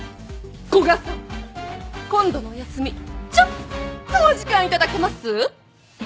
古賀さん今度のお休みちょっとお時間頂けます？